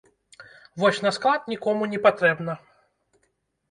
Вось на склад нікому не патрэбна!